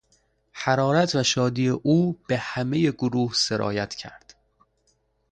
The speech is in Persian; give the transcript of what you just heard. حرارت و شادی او به همهی گروه سرایت کرد.